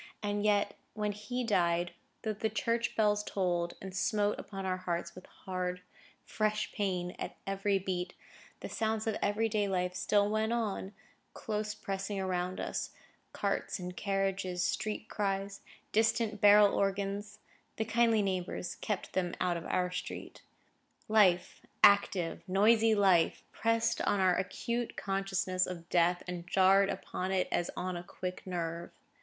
And yet, when he died, though the church bells tolled, and smote upon our hearts with hard, fresh pain at every beat, the sounds of every day life still went on, close pressing around us,—carts and carriages, street cries, distant barrel organs (the kindly neighbours kept them out of our street): life, active, noisy life, pressed on our acute consciousness of Death, and jarred upon it as on a quick nerve.